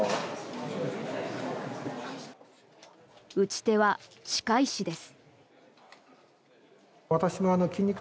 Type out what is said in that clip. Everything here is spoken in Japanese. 打ち手は歯科医師です。